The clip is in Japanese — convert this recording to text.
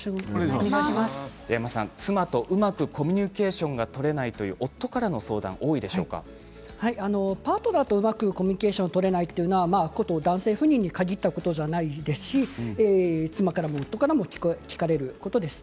妻とうまくコミュニケーションが取れないという夫からの相談パートナーとうまくコミュニケーションが取れないというのはこと男性不妊に限ったことではないですし妻からも夫からも聞かれることです。